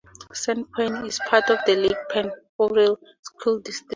Sandpoint is part of the Lake Pend Oreille School District.